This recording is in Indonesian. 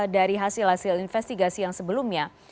dari hasil hasil investigasi yang sebelumnya